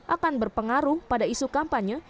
akan berpengaruh pada isu kampanye